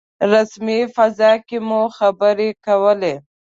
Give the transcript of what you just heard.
رسمي فضا کې مو خبرې کولې.